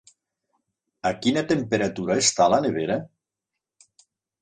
A quina temperatura està la nevera?